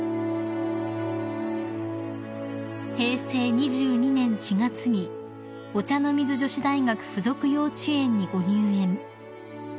［平成２２年４月にお茶の水女子大学附属幼稚園にご入園］